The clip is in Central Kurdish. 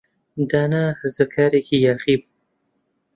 دانا هەرزەکارێکی یاخی بوو.